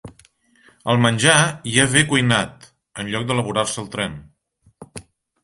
El menjar ja ve cuinat, en lloc d'elaborar-se al tren.